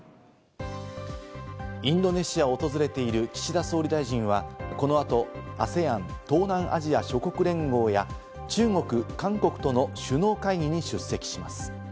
インドネシアを訪れている岸田総理大臣はこの後、ＡＳＥＡＮ＝東南アジア諸国連合や、中国、韓国との首脳会議に出席します。